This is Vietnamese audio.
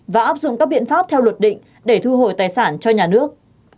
và áp dụng các biện pháp theo luật định để thu hồi tài sản cho nhà nước